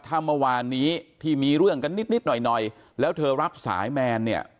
ถ้าเมื่อนี้ที่มีเรื่องกันนิดหน่อยแล้วเธอรับสายแมน